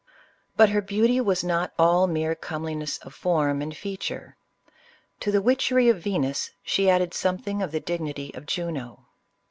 But her beauty was not all mere comeliness of form and feature. To the witchery of Venus she added something of the dignity of Juno.